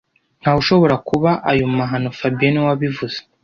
Ntawe ushobora kuba ayo mahano fabien niwe wabivuze